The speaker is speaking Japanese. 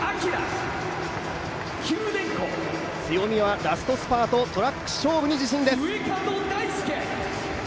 強みはラストスパート、トラック勝負に自信です。